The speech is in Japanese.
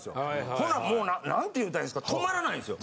ほなもうなんて言うたらいいんですか止まらないんですよ。